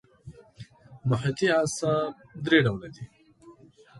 محیطي اعصاب درې ډوله دي.